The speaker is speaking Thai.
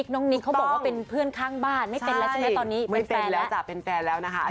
นิกเขาบอกว่าเป็นเพื่อนข้างบ้านไม่เป็นแล้วใช่ไหมตอนนี้เป็นแฟนแล้วจ้ะเป็นแฟนแล้วนะคะ